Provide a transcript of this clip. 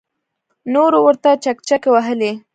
نورو ورته چکچکې وهلې.